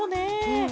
うん。